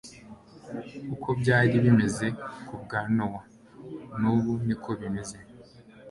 uko byari bimeze kubwa nowa nubu niko bimeze